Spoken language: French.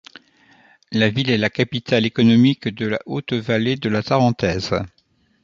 La ville est la capitale économique de la haute-vallée de la Tarentaise.